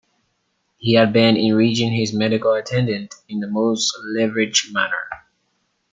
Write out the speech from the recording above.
He had been enriching his medical attendant in the most lavish manner.